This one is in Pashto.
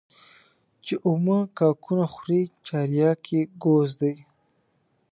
چي اومه کاکونه خوري چارياک يې گوز دى.